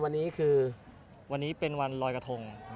วันนี้เป็นวันลอยกะทง